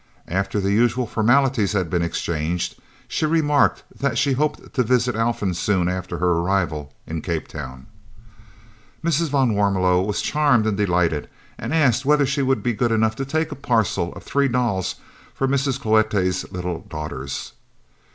After the usual formalities had been exchanged she remarked that she hoped to visit Alphen soon after her arrival in Cape Town. Mrs. van Warmelo was charmed and delighted, and asked whether she would be good enough to take a parcel of three dolls for Mrs. Cloete's little daughters.